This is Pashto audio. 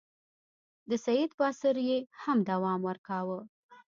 د سید په عصر کې یې هم دوام ورکاوه.